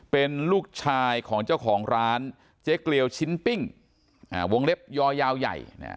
เป็นลูกชายของเจ้าของร้านเจ๊เกลียวชิ้นปิ้งวงเล็บยอยาวใหญ่